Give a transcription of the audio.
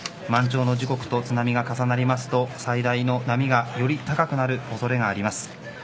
満潮の時刻と津波が重なりますと最大の波がより高くなる恐れがあります。